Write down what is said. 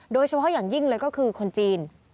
โดยเฉพาะอย่างยิ่งเลยก็คือคนจีน